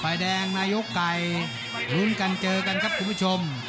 แดงนายกไก่ลุ้นกันเจอกันครับคุณผู้ชม